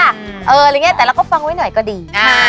แต่เราก็ฟังไว้หน่อยก็ดี